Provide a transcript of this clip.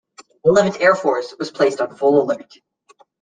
Eleventh Air Force was placed on full alert.